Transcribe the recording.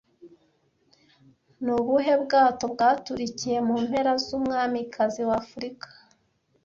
Ni ubuhe bwato bwaturikiye mu mpera z'umwamikazi w'Afurika